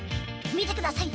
みてください！